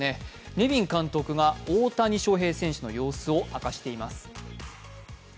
ネビン監督が大谷翔平選手の様子を明かしています。